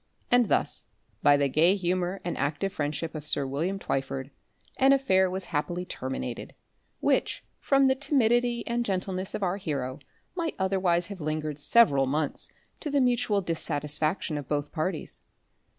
And thus by the gay humour and active friendship of sir William Twyford, an affair was happily terminated, which, from the timidity and gentleness of our hero, might otherwise have lingered several months to the mutual dissatisfaction of both parties.